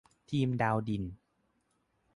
ทีมดาวดิน